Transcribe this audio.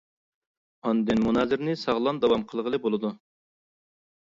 ئاندىن، مۇنازىرىنى ساغلام داۋام قىلغىلى بولىدۇ.